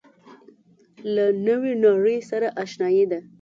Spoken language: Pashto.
له نوې نړۍ سره آشنايي ده.